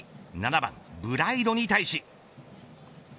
７番ブライドに対し。